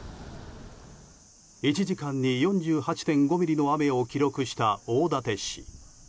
１時間に４８．５ミリの雨を記録した大館市。